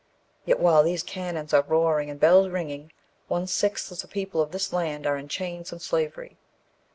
Yet while these cannons are roaring and bells ringing, one sixth of the people of this land are in chains and slavery.